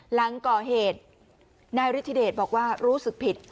หลังก่อเหตุนายฤทธิเดชบอกว่ารู้สึกผิด